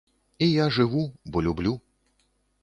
І я жыву, бо люблю!